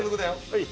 はい。